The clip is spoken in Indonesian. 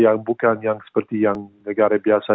yang bukan yang seperti yang negara biasa